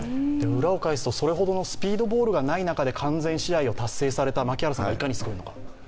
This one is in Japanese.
裏を返すとそれほどのスピードボールがない中で完全試合を達成された槙原さんが、いかにすごいのか。